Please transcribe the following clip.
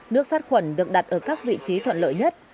nước sát khuẩn được đặt ở các vị trí thuận lợi nhất